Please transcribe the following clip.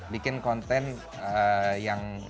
bikin konten yang